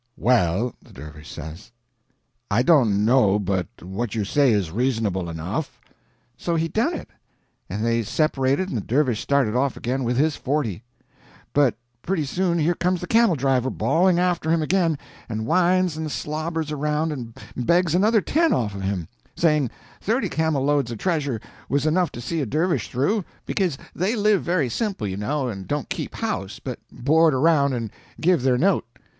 "Well," the dervish says, "I don't know but what you say is reasonable enough." So he done it, and they separated and the dervish started off again with his forty. But pretty soon here comes the camel driver bawling after him again, and whines and slobbers around and begs another ten off of him, saying thirty camel loads of treasures was enough to see a dervish through, because they live very simple, you know, and don't keep house, but board around and give their note.